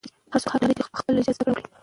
هر څوک حق لري چې په خپله ژبه زده کړه وکړي.